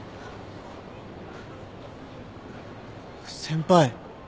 先輩。